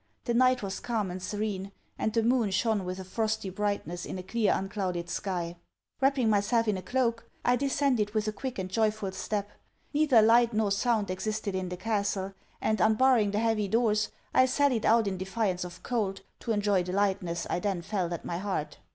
The night was calm and serene; and the moon shone with a frosty brightness in a clear unclouded sky. Wrapping myself in a cloak, I descended with a quick and joyful step. Neither light nor sound existed in the castle; and, unbarring the heavy doors, I sallied out in defiance of cold, to enjoy the lightness I then felt at my heart.